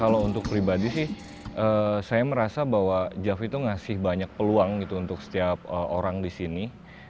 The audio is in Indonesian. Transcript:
kalau untuk pribadi sih saya merasa bahwa jav itu ngasih banyak peluang gitu untuk setiap orang di sini